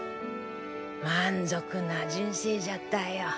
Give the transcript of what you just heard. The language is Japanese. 満足な人生じゃったよ。